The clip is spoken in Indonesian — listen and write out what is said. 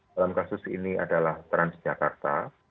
dalam kasus ini adalah transjakarta